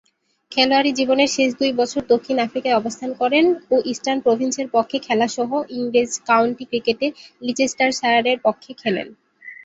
খেলোয়াড়ী জীবনের শেষ দুই বছর দক্ষিণ আফ্রিকায় অবস্থান করেন ও ইস্টার্ন প্রভিন্সের পক্ষে খেলাসহ ইংরেজ কাউন্টি ক্রিকেটে লিচেস্টারশায়ারের পক্ষে খেলেন।